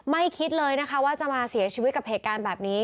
คิดเลยนะคะว่าจะมาเสียชีวิตกับเหตุการณ์แบบนี้